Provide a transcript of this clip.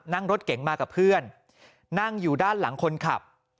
นั่งรถเก๋งมากับเพื่อนนั่งอยู่ด้านหลังคนขับ